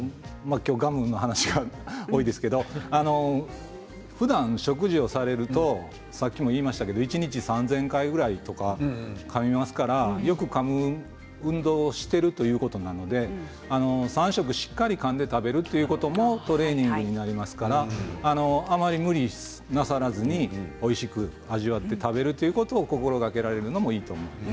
今日、ガムの話が多いですけどふだん食事をされると一日３０００回ぐらいかみますからよくかむ運動をしているということなので三食しっかりかんで食べるということもトレーニングになりますからあまり無理なさらずにおいしく味わって食べるということを心がけられるといいと思います。